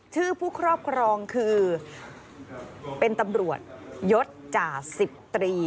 ชื่อผู้ครอบครองคือเป็นตำรวจยศจ่าสิบตรี